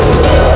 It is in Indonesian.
itu udah gila